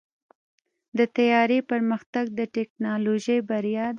د طیارې پرمختګ د ټیکنالوژۍ بریا ده.